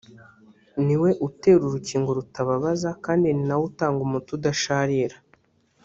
niwe utera urukingo rutababaza kandi ni na we utanga umuti udasharira